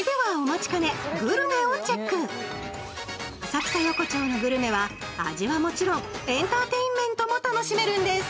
浅草横町のグルメは味はもちろん、エンターテインメントも楽しめるんです。